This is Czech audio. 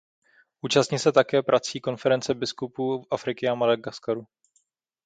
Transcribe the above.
Účastní se také prací Konference biskupů Afriky a Madagaskaru.